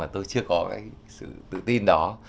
tự tin đó